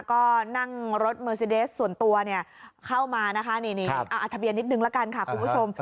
ก็นั่งรถเมอร์ซีเดสส่วนตัวเข้ามานะคะนี่ทะเบียนนิดนึงละกันค่ะคุณผู้ชม